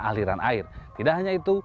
aliran air tidak hanya itu